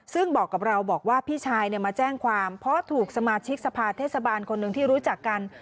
ซึ่งบอกกับเราบอกว่าพี่ชายมาแจ้งความเพราะถูกสมาชิกสภาเทศบาลคนหนึ่งที่รู้จักกัน